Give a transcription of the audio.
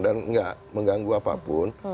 dan nggak mengganggu apapun